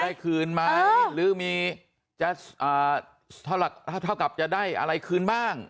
ได้คืนไหมหรือมีจะเท่ากับจะได้อะไรคืนบ้าง